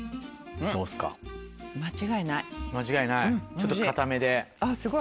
ちょっと硬めで。